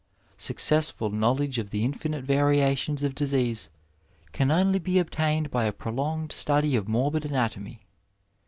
Successful knowledge of the infinite variations of disease can only be obtained by a prolonged study of morbid anatomy.